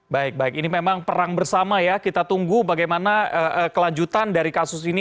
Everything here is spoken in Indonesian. baik baik ini memang perang bersama ya kita tunggu bagaimana kelanjutan dari kasus ini